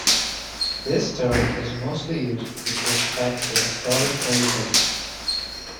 This term is mostly used with respect to historic militaries.